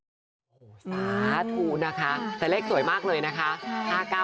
โอ้โหสาธุนะคะแต่เลขสวยมากเลยนะคะ